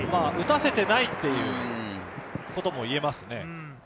打たせてないっていうこともいえますね。